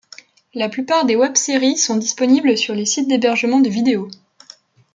La plupart des web-séries sont disponibles sur les sites d'hébergement de vidéos.